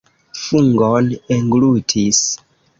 Fungon englutis!